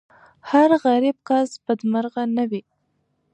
هر غریب کس بدمرغه نه وي.